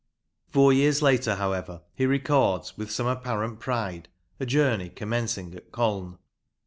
Four years later, however, he records,' with some apparent pride, a journey commencing at Colne.